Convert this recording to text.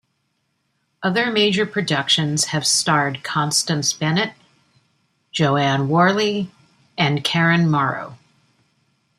Other major productions have starred Constance Bennett, Joanne Worley and Karen Morrow.